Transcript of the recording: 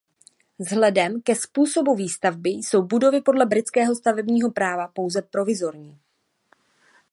Vzhledem ke způsobu výstavby jsou budovy podle britského stavebního práva pouze provizorní.